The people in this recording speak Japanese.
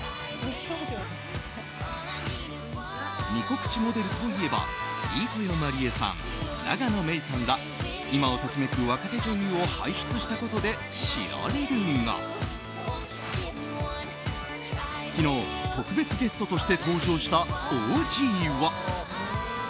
「ニコ☆プチ」モデルといえば飯豊まりえさん、永野芽郁さんら今を時めく若手女優を輩出したことで知られるが昨日、特別ゲストとして登場したＯＧは。